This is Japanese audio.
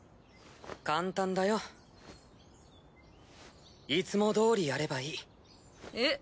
簡単だよ。いつもどおりやればいい。え？